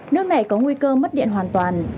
nước này có nguy cơ mất điện hoàn toàn